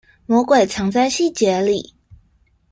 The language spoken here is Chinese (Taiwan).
魔鬼藏在細節裡